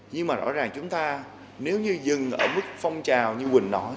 nhưng mà rõ ràng chúng ta nếu như dừng ở mức phong trào như quỳnh nói